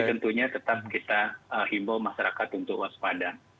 tentunya tetap kita himbau masyarakat untuk waspada